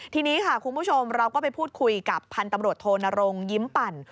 ทีนี้ค่ะคุณผู้ชมเราก็ไปพูดคุยกับพันธุ์ตำรวจโทนรงยิ้มปั่น